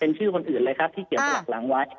เป็นชื่อคนอื่นเลยครับที่เกี่ยวกับหลักหลังไว้